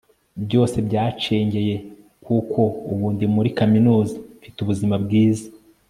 byose byacengeye, kuko ubu ndi muri kaminuza, mfite ubuzima bwiza